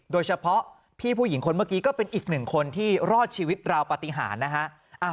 โดยเฉพาะพี่ผู้หญิงคนเมื่อกี้ก็เป็นอีกหนึ่งคนที่รอดชีวิตราวปฏิหารนะฮะ